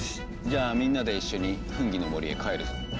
じゃあみんなで一緒にフンギの森へ帰るぞ。